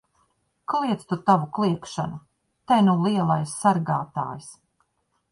Kliedz tu tavu kliegšanu! Te nu lielais sargātājs!